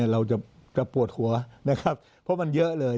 เราจะปวดหัวนะครับเพราะมันเยอะเลย